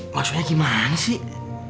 maksudnya gimana sih